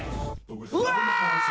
うわ！